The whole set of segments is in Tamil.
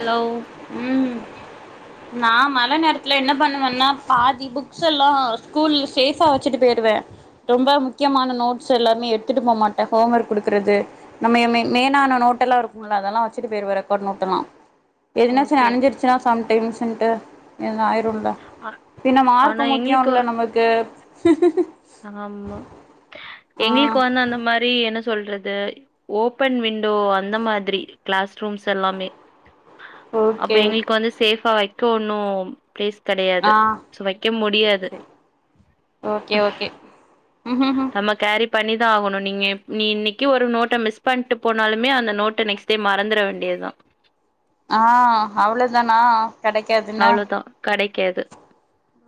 ஹலோ உம் நா மழ நேரத்துல என்ன பண்ணுவேன்னா பாதி புக்ஸ் எல்லா ஸ்கூல்ல சேஃபா வச்சுட்டு போயிருவே ரொம்ப முக்கியமான நோட்ஸ் எல்லாமே எடுத் த்துட்டு போமாட்டேன் ஹோம் ஒர்க் குடுக்குறது நம்மயமே மேய்னான நோட்டெல்லாம் இருக்கும்ல அதெல்லா வச்சுட்டு போயிருவே ரெக்கார்ட் நோட்டு எல்லா எதுனா ச ஓகே அணஞ்சிருச்சுனா சம்டைம்ஸ்ன்ட்டு எதுவு ஆயிரும்ல ஆ பின்ன ஆனா மார்க் முக்கியம் எங்களுக்கு இல்ல நமக்கு ஆமா ஆ எங்களுக்கு வந்து அந்த மாரி என்ன சொல்ற து ஓபன் விண்டோ அந்த மாதிரி கிளாஸ் ரூம்ஸ் எல்லாமே அப்ப ஓகே எங்களுக்கு வந்து சேஃபா வைக்க ஒன்னும் பிளேஸ் ஆ கெடையாது சோ வக்க சேரி முடியாது சேரி ஓகே ஓகே நம்ம கேரி பண்ணிதா ஆகணும் நீங்க நீ இன்னைக்கு ஒரு நோட்ட மிஸ் பண்ட்டு போனாலுமே அந்த நோட்ட நெக்ஸ் டே மறந்துற வேண்டியதுதா ஆ அவ்ளோ தானா கெடைக்காதுன்னா அவ்ளோதா கெடைக்காது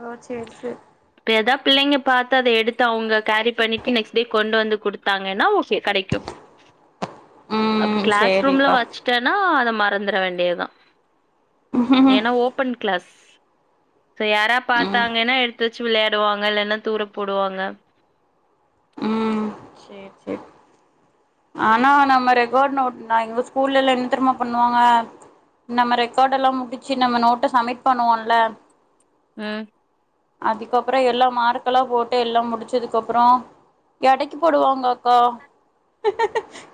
அ சேரி சேரி இப்ப எதா பிள்ளைங்க பாத்து அத எடுத்து அவுங்க கேரி பண்ணிட்டு நெக்ஸ்ட் டே கொண்டு வந்து குடுத் த்தாங்கன்னா ஓகே கெடைக்கும் அப் ம் கிளாஸ் ரூம்ல சேரிக்கா வச்சுட்டேன்னா அத மறந்துட வேண்டியதுதா ம் ஏன்னா ஓபன் கிளாஸ் செ யாரா பாத்தாங்கன்னா எடுத்துச் ச்சு வெளையாடுவாங்க இல்லன்னா தூர போடுவாங்க உம் சேரி சேரி ஆனா நம்ம ரெக்காட் நோட் எங்க ஸ்கூல்ல எல்லா என்ன தெரியுமா பண்ணுவாங்க நம்ம ரெக்கார்டெல்லா முடிச்சு நம்ம நோட்ட சமிட் பண்ணுவோம்ல உம் அதுக்கப்றோ எல்லா மார்க்கெல்லா போட்டு எல்லா முடிச்சதுக்கு அப்றோ எடைக்கு போடுவாங்க அக்கா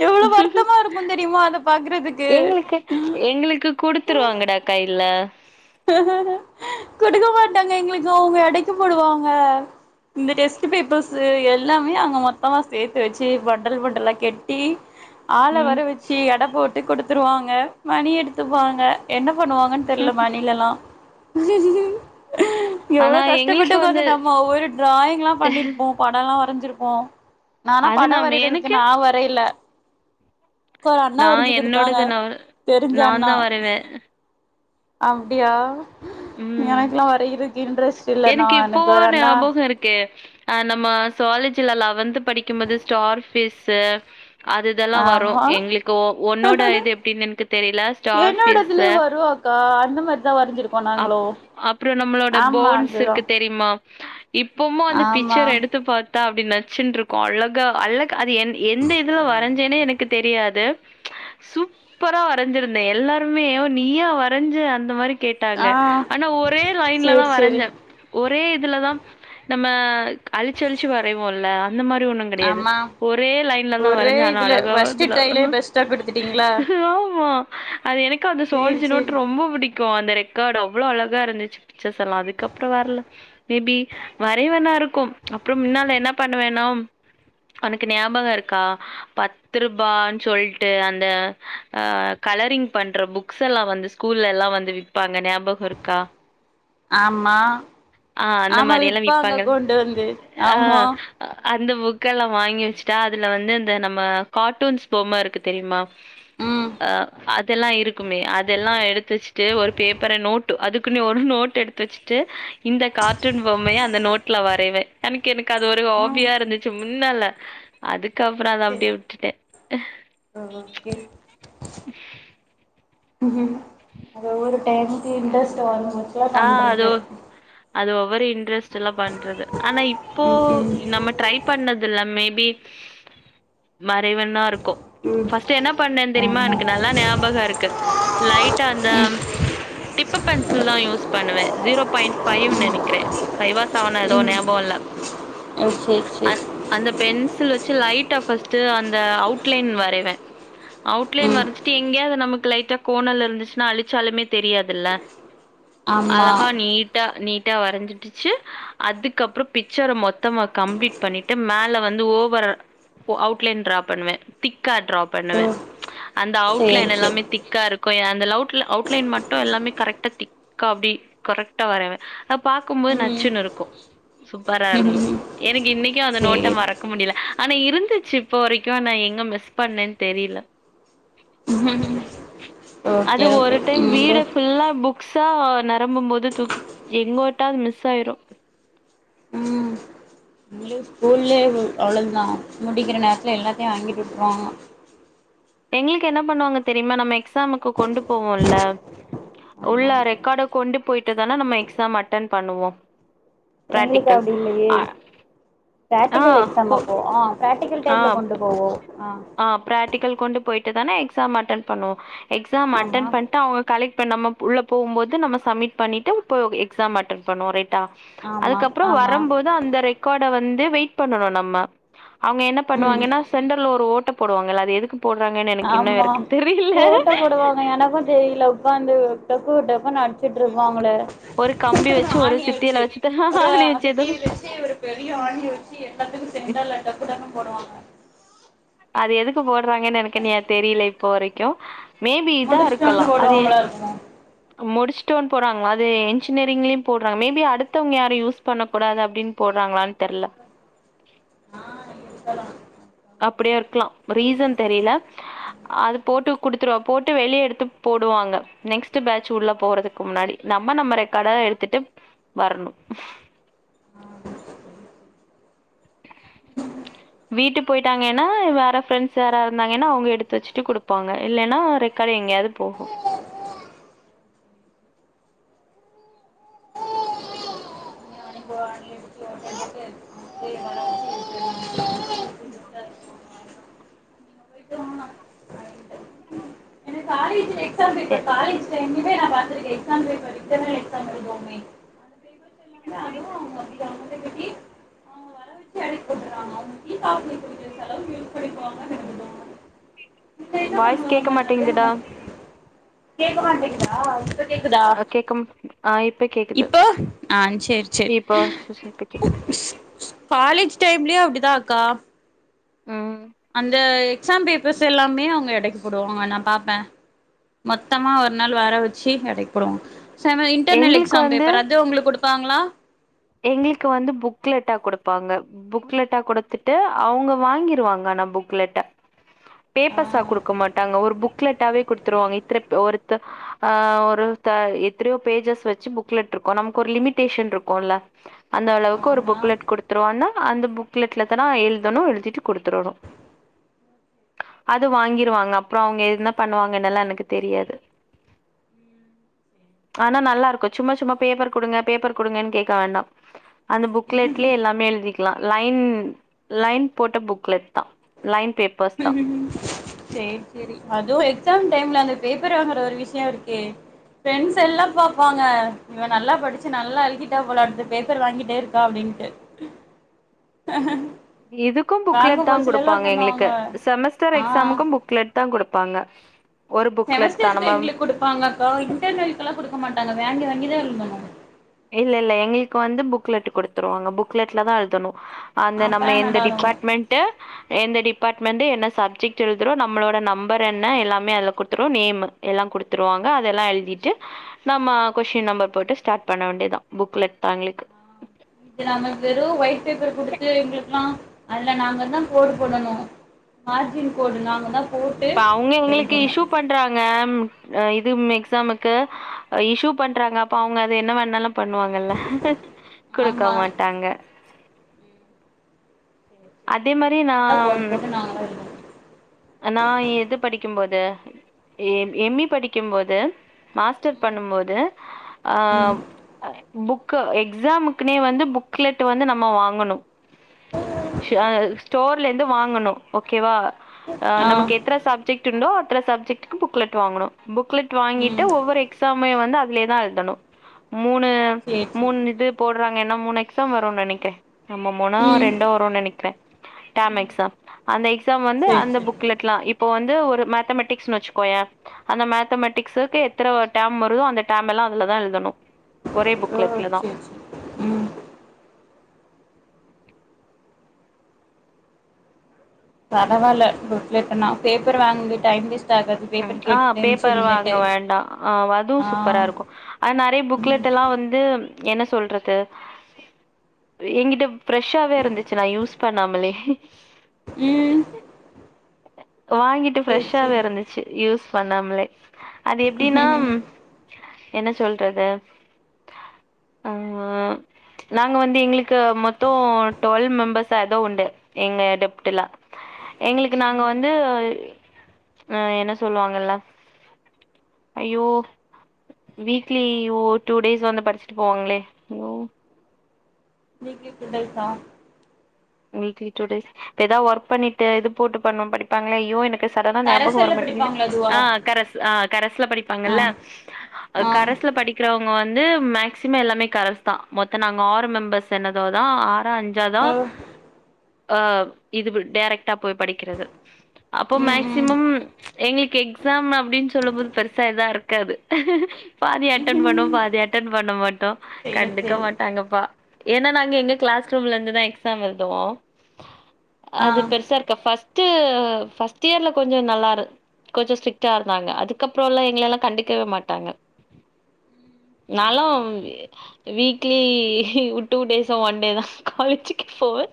எவ்ளவு வருத்தமா இருக்கு தெரியுமா அத பாக்குறதுக்கு எங்களுக்கு எங்களுக்கு குடுத்துருவாங்கடா கையில குடுக்க மாட்டாங்க எங்களுக்கு எல்லா அவுங்க எடைக்கு போடுவாங்க இந்த டெஸ்ட் பேப்பர்ஸு எல்லாமே அவுங்க மொத்தமா சேத்து வச்சு பண்டல் பண்டலா கெட்டி ஆள ம் வர வச்சு எட போட்டு குடுத்துருவாங்க மணி எடுத்துப்பாங்க என்ன பண்ணுவாங்கன்னு தெரியல மணிலல்லா எவ்ளவு ஆனா கஷ்டப்பட்டு எங்களுக்கு வந்து உக்காந்து நம்ம ஒவ்வொரு டிராயிங் எல்லா பண்ணிருப்போ பட எல்லா வரஞ்சிருப்போ டிராயிங் எல்லா நானா அது பட நம்ம வரயறதுக்கு எனக்கு நா வரைல க்கா அண்ணா நா வரஞ்சு குடுத்தாங்க என்னோடது நா தெரிஞ்ச அண்ணா நாந்தா வரைவே அப்டியா ம் எனக்கெல்லா வரையறக்கு இன்ட்ரெஸ்ட் இல்ல நா எனக்கு ஒரு அண்ணா இப்ப இருக்கு அ நம்ம சுவாலஜில லெவந்து படிக்கும்போது ஸ்டார் பீஸ்ஸூ அது இதெல்லா வரு ஆமா எங்ளுக்கு உன்னோட இது எப்டின்னு என்கு தெரில ஸ்டார் ஃபிஸ்ஸூ ஆ அந்த மாரிதா வரைஞ்சிருக்கோ நாங்களு ஆமா அது தா தெரிய்மா இப்பமு அந்த பிச்சர் எடுத்து பாத்தா அப்டி நச்சுனுரிக்கு அழகா அழக் அது என் எந்த இதுல வரைஞ்சேன்னு எனக்கு தெரியாது சூப்பரா வரைஞ்சிருந்தே எல்லாருமே ஓ நீயா வரைஞ்ச அந்த மாரி ட்டாங்க ஆ ஆனா ஒரே லைன்லதா சேரி சேரி வரஞ்சே ஒரே இதுல தா நம்ம அழிச்சி அழிச்சி வரைவோல்ல அந்த மாரி ஒன்னு கெடையாது ஆமா ஒரே லைன்லதா ஒரே வரைஞ்ச ஆனா இதுல ஃபஸ்ட்டு அழகாவதுல ட்ரைலயே பெஸ்ட்டா குடுத்துட்டீங்களா ஆமா அது எனக்கு அந்த சேரி சுவாலஜி சேரி நோட் ரொம்ப புடிக் க்கு அந்த ரெக்கார்டு அவ்ளோ அழகா இருந்துச்சு பிச்சர்ஸ்ல்லா அதுக்கப்றோ வர்ல மேபி வரைய்வேணா இருக்கு அப்புற முன்னால என்ன பண்ணுவேனாம் ஒனக்கு ஞாபக இருக்கா பத் பத்திருபான்னு சொல்லிட்டு அந்த அ கலரிங் பண்ற புக்ஸ் எல்லா வந்து ஸ்கூல்லலா வந்து விப்பாங்க ஞாபக இருக்கா ஆமா ஆ அந்த ஆமா மாரி எல்லா விப்பாங்க கொண்டு வந்து ஆ ஆமா அந்த புக்கெல்லா வாங்கி வெச்சுட்டா அதுல வந்து இந்த நம்ம கார்ட்டூன்ஸ் பொம்மருக்கு தெரிமா ம் அ அதெல்லா இருக்குமே அதெல்லா எடுத்துச்சுட் த்து ஒரு பேப்பர நோட்டு அதுக்குனு ஒரு நோட் எடுத்து வெச்சுட்டு இந்த கார்ட்டூன் பொம்மைய அந்த நோட்டு் ட்ல வரைவே அனக்கு எனக்கு அது ஒரு ஆ ஹாபியா இருந்துச்சு முன்னால அதுக்கப்புற அத சேரி அப்டியே விட்டுட்டே ஓகே அத என்க் இன்ட்ரஸ்ட் வந்திச்சா ஆ அது பண்றது ஒ அது ஒவ்வரு இன்ட்ரெஸ்ட்ல்லா பண்றது ஆனா இப்போ ம் ம் நம்ம ட்ரைப் இப்பண்ணது இல்லாமே மே பி மறைவண்ணா இருக்கு ம் பர்ஸ்ட் என்ன பண்ணேன்னு தெரிமா ஆமா எனக்கு நல்லா ஞாபக இருக்கு லைட்டா அந்த ம் டிப்பு பென்சில் தா யூஸ் பண்ணுவே ஜீரோ பாயி்ன்ட் பபைவ்னு நெனைக்கிறே பஃவா செவனா ஏதோ ம் ஞாபகோ இல்ல ஓ சேரி அ சேரி அந்த பென்சில் வெச்சு லைட்டா ஃபர்ஸ்ட் அந்த அவுட்லைன் வரைவே அவுட்லைன் ம் வரைச்சிட்டு எங்கேயா அது நமக்கு லைட்டா கோனல் இருந்துச்சுன்னா அழிச்சாலுமே தெரியாதுல்ல ஆமா அழகா நீட்டா நீட்டா வரைஞ்சிட்டுச்சு அதுக்கப்றோ பிக்சர மொத்தமா கம்ப்ளீட் பண்ணிட்டு மேல வந்து ஓவரா அவுட்லைன் ட்ரா பண்வே திக்கா ட்ரா ஓ பண்வே அந்த அவுட் சேரி லைன் சேரி எல்லாமே திக்காருக்கு அந்த அவுட் அவுட்லைன் மட்டு எல்லாமே கரெக்டா திக் கா அப்டி கரெக்ட்டா வரைவே அ பாக்கும்போது ம் நச்சுன்னுருக்கு சூப்பரா இருந்து ம் எனக்கு இன்னைக்கு அந்த சேரி நோட்டம் வர முடில ஆனா இருந்துச்சு இப்போ வரைக்கு நா எங்க மிஸ் பண்ணேன்னு தெரில உஹம் அது ஒரு டைம் வீடு ஃபுல்லா புக்ஸாக நெரம்பும்போது தூக்கி எங்கோட்டா அது மிஸ் ஆயிரு எங்களுக்கு ஸ்கூல்லே அவ்ளோதா முடிக்கிற நேரத்தில எல்லாத்தையு வாங்கிட் வி்ட்ருவாங்க எங்ளுக்கு என்ன பண்ணுவாங்க தெரிமா நம்ம எக்ஸாமுக்கு கொண்டு போவோல்ல ஆமா உள்ள ரெக்கார்ட கொண்டு போயிட்டு தானே நம்ம எக்ஸாம் அட்டன் பண்ணுவோ எங்களுக்கு அப்படி இல்லையே ஆ பிரக்டிகல் எக்ஸாம் கொ அப்போ ஆ பிராக்டிக்கல் ஆ டைமில கொண்டு ப்- போவோ ஆ ஆ பிராக்டிக்கல் கொண்டு போயிட்டு தானே எக்ஸாம் அட்டன் பண்ணுவோம் எக்ஸாம் ஆமா அட்டன் பண்ணிட்டு அவங்க கலெக்ட் ப நம்ம உள்ள போகுபோது நம்ம சப்மிட் பண்ணிட்டு போ எக்ஸாம் அட்டென் பண்ணுவோ ரைட்டா ஆமா அதுக்கப்பற ஆமா வரம்போது அந்த கடோ வந்து வெயிட் பண்ணனும் நம்ம அவங்க என்ன ம் பண்ணுவாங்கன்னா சென்டர் ல ஒரு ஓட் ட போடுவாங்காள அது எதுக்கு போட்ராங்கன்னு ஆமா ஓட்ட போடுவாங்க எனக்கு தெரியல உக்காந்து டொக்கும் டொக்குன்னு ட்டு இருப்பாங்கலே ஒரு கம்பி வச்சு ஒரு ஆணிய சித்தியில ஆச்சு வச்சுட்டு ஒரு ஆணி வச்சு ஏதோ சுத்தில் வச்சு ஒரு பெரிய ஆணிய வச்சு எல்லாத்துக்கு சென்டர் லா டோக்கு டோக்குண்ணு போடுவாங்க அது எதுக்கு போடுறாங்கன்னு எனக்கு நீ தெரியல இப்போ வரைக்கு மேபி இதா முடிச்சுட்டு இருக்கலா வந்து அது போடுவாங்களா இருக்கு முடிச்சுட்டோன்னு போறாங்கல அது இன்ஜினியரிங்லயும் போடுறாங்க மேபி அடுத்தவங்க யாரு யூஸ் பண்ண கூடாது அப்படின் போட்றாங்களான்னு தெரில ஆ [inaudible] அப்டியா இருக்கலா ரீசன் தெரியல அது போட்டு குடுத்துருவா போட்டு வெளியே எடுத்து போடுவாங்க நெக்ஸ்ட் பேட்ச் உள்ள போறதுக்கு முன்னாடி நம்ம நம்ம ரெக்கார்ட எடுத்துட்டு வரணு வீட்டு போயிட்டாங்கன்னா வேற ஃப்ரெண்ட்ஸ் யாரா இருந்தாங்கன்னா அவங்க எடுத்து வச்சுட்டு குடுப்பாங்க இல்லன்னா அது எங்கயாது போகு [unintelligible] ஆணி அடிச்சு ஓட்ட போட்டு [unintelligible] ம் ஆ [unintelligible] எனக்கு காலேஜில் எக்ஸாம் எ பேப்பர் காலேஜ்ல டைம்லேயே நா பாத்துருக்க எக்ஸாம் பேப்பர் இப்பாத எக்சாம் எழுதுவோமே அந்த பேப்பர்ஸ் எல்லாமே அதுவும் அவங்க அப்படி அவங்கள்ட்ட கட்டி அவங்க வர வச்சு அடைக்க போட்டுறாங்க அவங்க டீ காஃபி குடிக்கிற செலவு யூஸ் பண்ணிக்குவாங்கன்னு எனக்கு தோணும் இதில் என்ன வாய்ஸ் கேட்க பண்ணுவாங்க மாட்டேங்குது டா கேக்க மாட்டேங்குதா கேக்குதா அ கேக்க ஆ இப்ப கேக்குது இப்போ ஆ செரி செர் இப்போ சு- சு- இப்ப கேக்குது காலேஜ் டைம்லயும் அப்டிதா ஆக்கா ம் அந்த எக்ஸாம் பேப்பர்ஸ் எல்லாமே அவங்க எடைக்கு போடுவாங்க நா பாப்பே மொத்தமா ஒரு நாள் வர வச்சு எடைக்குபோடுவாங் சோ இன்டர்னல் எங்களுக்கு எக்ஸாம் வந்து பேப்பர் அது உங்களுக்கு குடுப்பாங்களா எங்களுக்கு வந்து புக்லெட்டா குடுப்பாங்க புக்லெட்டா குடுத்துட்டு அவங்க வாங்கிருவாங்க அனா புக்லெட்டா ஆ பேப்பர்ஸ்ஸா குடுக்க மாட்டாங்க ஒரு புக்லெட்டாவே குடுத்துருவாங்க இத்தன ஒருத்த ஆ ஒருத்த எத்தனையோ பேஜஸ் வச்சு புக்லெட் இருக்கு நமக்கு ஒரு லிமிடேஷன் இருக்குல அந்த அளவுக்கு ஒரு ஆமா புக்லெட் குடுத் அப்புற என்ன அந்த புக்லெட்ல எத்தன எழுதணு எழுதிட்டு கொடுத்தரணு அது வாங்கிருவாங்க அப்ரோ அவங்க என்ன பண்ணுவாங்கன்னலா எனக்கு தெரியாது ஆனா நல்லா இருக்கு சும்மா சும்மா பேப்பர் குடுங்க பேப்பர் குடுங்கன்னு கேட்க வேண்டா அந்த புக்லெட்லயே எல்லாமே எழுதிக் லா லைன் லைன் போட்ட புக் லெட்த்தா லைன் பேப் ம் சே சேரி அதுவு எக்ஸாம் டைம்ல அந்த பேப்பர் வாங்குற ஒரு விஷய இருக்கே ஃப்ரெண்ட்ஸ் எல்லா பாப்பாங்க இவ நல்லா படிச்சு நல்லா எழுதிட்டா போல அடுத்து பேப்பர் வாங்கிட்டே இருக்கா அப்படின்ட்டு இதுக்கும் புக்லெட் தா குடுப்பாங்க பண்ணுவாங்க எங்களுக்கு செமஸ்டர் ஆ எக்ஸாமுக்கு புக்லெட் தா குடுப்பாங்க ஒரு புக்லெட் தான் செமஸ்டருக்கு நம்ம எங்களுக்கு குடுப்பாங்கக்கா இன்டர்னல்க்லா குடுக்க மாட்டாங்க வாங்கி வாங்கிதா எழுதனு இல்ல இல்ல எங்களுக்கு வந்து புக்லெட் குடுத்துருவாங்க புக்லெட்ல தா எழுதணு அந்த நம்ம அப்பதா எந்த நல்லாருக்கு டிபார்ட்மெண்ட்டு எந்த டிபார்ட்மெண்ட்டு என்ன சப்ஜெக்ட் எழுதுறோ நம்மளோட நம்பர் என்ன எல்லாமே அதுல குடுத்துரு நேமு எல்லா குடுத்துருவாங்க அதெல்லா எழுதிட்டு நம்ம கொஸ்டின் நம்பர் போட்டு ஸ்டார்ட் பண்ண வேண்டிய தா புக்லெட் தா எங்களுக்கு இது நம்ம வெறு ஒயிட் பேப்பர் குடுத்து எங்களுக்குல்லா அதுல நாங்க தா கோடு போடணு மார்ஜின் கோடு நாங்க தா போட்டு அப்ப அவுங்க எங்களுக்கு எழுதணு இஷு பண்றாங்க இதும் எக்ஸாமுக்கு இஷு பண்றாங்க அப்ப அவுங்க அது என்னவா இருந்தாலும் பண்ணுவாங்கல்ல குடுக்க ஆமா மாட்டாங்க அதே இங்க மாரி நாங்க தா நாம் போட்டு போட்டு நாங்க தா எழுதணு நா இது படிக்கும்போது எ எம் இ படிக்கும் போது மாஸ்டர் ம் பண்ணும்போது ஆ ம் புக்கு எக்ஸாமுக்குனே வந்து புக்லெட்டு வந்து நம்ம வாங்கணு ஷால் ஸ்டோர்ல இருந்து வாங்கணு ஓகேவா அ ஆ நமக்கு எத்தன சப் ஜெக்ட் உண்டோ அத்தன சப்ஜெக்ட்க்கும் புக்லெட் வாங்கணு புக்லெட் வாங்கிட்டு ம் ஒவ்வொரு எக்ஸாமயு வந்து அதுலே தா எழுதணு மூணு சேரி சேரி மூணு இது போடுறாங்க ஏன்னா மூணு எக்ஸாம் வருனு நெனைக்கிறே நம்ப மூணோ ம் ரெண்டோ வருனு நெனைக் கிறே டேர்ம் ம் எக்ஸாம் அந்த எக்ஸாம் வந்து சேரி அந்த சேரி புக்லெட் லா இப்போ வந்து ஒரு மேத்தமெட்டிக்ஸ்னு வச்சுக்கோயே அந்த மேத்தமெட்டிக்ஸ்க்கு எத்தன ஒரு டேர்ம் வருதோ அந்த டேர்ம் எல்லா அதுலதா எழுதணு ஒரே ஓ புக்லெட்ல தா சேரி சேரி ம் பரவாயில்ல புக்லெட்டுனா பேப்பர் வாங்கி டைம் வேஸ்ட் ஆகாது ம் பேப்பர் ஆ கேட்டுட்டு பேப்பர் வாங்க நின்னுட்டு வேண்டா ஆ ஆ அதுவு சூப்பரா இருக்கு அனா நறையா ம் புக்லெட் எல்லா வந்து என்ன சொல்றது என்கிட்ட ப்ரெஷ்ஷாவே இருந்துச்சு நா யூஸ் பண்ணாமலே ம் வாங்கிட்டு சேரி ஃப்ரெஷ்ஷாவே சேரி இருந்துச்சு யூஸ் பண்ணாமலே அது எப்படின்னா என்ன சொல்றது ஆ நாங்க வந்து எங்களுக்கு மொத்தோ டுவெல்வ் மெம்பர்ஸ்சா எதோ உண்டு எங்க டெப்ட்ல எங்களுக்கு நாங்க ம் வந்து அ என்ன சொல்லுவாங்க எல்லா ஐயோ வீக்லி டூ டேஸ் வந்து படிச்சுட்டு போவாங்களே வீக்லி டூடேஸா வீக்லி டூடேஸ் எதா ஒர்க் பண்ணிட்டு இது போட்டு பண்ணு படிப்பாங்களே ஐயோ எனக் கு சடனா ஞாபக அரசெல்ல வரமாட்டேங்குது படிப்பாங்களா அதுவா ஆ கரஸ் ஆ கரஸ்ல ஆ படிப்பாங்கல்ல அ ஆ கரஸ்ல படிக் கிறவங்க வந்து மேக்சிமம் எல்லாமே கரஸ் தா மொத்த நாங்க ஆறு மெம்பர்ஸ் என்னதோதா ஆறா அஞ் ஜதோ ஓ அ இதுவு டேரக்ட்டா போய் படிக்கிறது அப்போ ம் ம் மேக்சிமம் எங்ளுக்கு எக்ஸாம் அப்டின் சொல்லும் போது பெருசா எதா இருக்காது பாதி அட்டன் பண்ணுவோ பாதி அட்டன் பண்ண மாட்டோ சேரி கண்டுக்க சேரி மாட்டாங்கப்பா ஏன்னா நாங்க எங்க க்ளாஸ் ரூம்ல இருந்துதா எக்ஸாம் எழ்த் துவோ ஆ அது பெர்சார் ஃபஸ்ட்டு ஃபஸ்ட் இயர்ல கொஞ்ச நல்லாரு கொஞ்ச ஸ்ட்ரிக்ட்டா இருந்தாங்க அதுக்கப்றலா எங்கலல்லா கண்டுக்கவே மாட்டாங்க சேரி நாலோ சேரி weekly two days one day தா காலேஜிக்கு போவே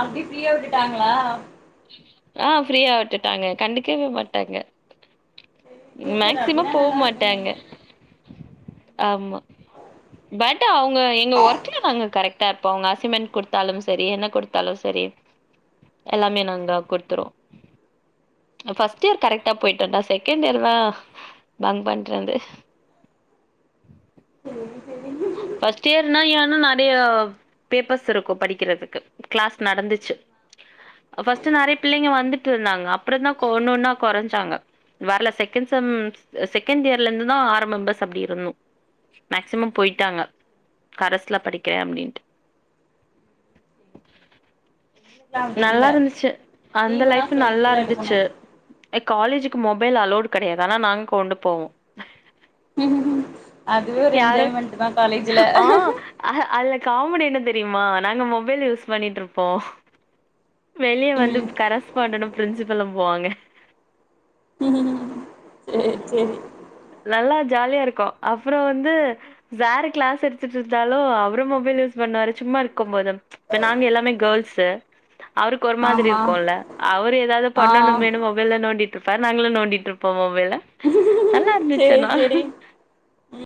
அப்டி ப்ரீயா உட்டுட்டாங்ளா அ ப்ரீயா உட்டுட்டாங்க கண்டுக்கவே மாட்டாங்க சரி, சூப்பர் மேக்சிமம் அப்டின்னா நல்லா இருக்குமே போமாட்டாங்க ஆமா பட் அவுங்க எங்க ஒர்க்ல நாங்க கரெக்டா இருப்போ அவுங்க அசைமெண்ட் குடுத்தாலு செரி என்ன குடு தாலு செரி எல்லாமே நாங்க குட்த்துரு ஃபஸ்ட் இயர் கரெக்டா போயிட்டோடா செகெண்ட் இயர் தா பங்க் பண்றது ஃபஸ்ட் இயர்னா ஏன்னா நறைய பேப்பர்ஸ் இருக்கு படிக்கிறதுக்கு க்ளாஸ் நடந்துச்சு ஃபஸ்ட்டு நறைய பிள்ளைங்க வந்துட்ருந்தாங்க அப்றந்தா ஒன்னு ஒன்னா கொறஞ்சாங்க வர்ல செக்கெண் செம் செக்கெண் இயர்லேந்து தா ஆறு மெம்பர்ஸ் அப்டி இருந்தோ மேக்சிமம் பொய் ட்டாங்க கரஸ்ல படிக்கிறே அப்டின்ட்டு எங்களுக்குலா அப்டி இல்ல நல்லாருந்துச்சு அந்த லீவுனா லைஃப் சொல்லிட்டுதா எடுக்கணு நல்லாருந்துச்சு ஏ காலேஜுக்கு மொபைல் அலோடு கடையாது ஆனா நாங் கொண்டு போவோ அதுவே ஒரு யாரு என்ஜாய்மண்ட் ஆ அ அதுல காமடி என்ன தெரியுமா நாங்க மொபைல் யூஸ் பண்ணிட்ருப்போ வெளிய வந்து ம் கரஸ்பாண்டனு பிரின்சிபலு போவாங்க சேர் சேரி நல்லா ஜாலியா இருக்கு அப்புற வந்து வேற க்ளாஸ் எடுத்துட்ருந்தாலு அவுரு மொபைல் யூஸ் பண்ணுவாரு சும்மா இருக்கும்போதும் இப்ப நாங்க எல்லாமே கோள்ஸு அவுருக் ஒரு மாதுரி ஆமா இருக்குல்ல அவுரு எதாவ்து ஆ பண்ணனுமேனு மொப் வெள்ள நோண்டிட்ருப்பாரு நாங்களு நோண்டிட்ருப்போ மொபைல நல்லா இருந்துச் சேரி அனா சேரி